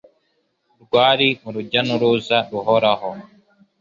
Rwari urujya n'uruza ruhoraho,